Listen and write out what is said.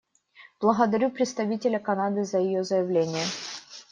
Благодарю представителя Канады за ее заявление.